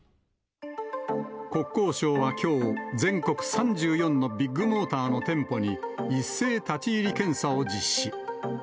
国交省はきょう、全国３４のビッグモーターの店舗に、一斉立ち入り検査を実施。